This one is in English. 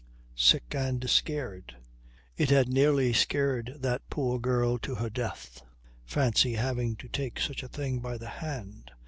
Sick and scared. It had nearly scared that poor girl to her death. Fancy having to take such a thing by the hand!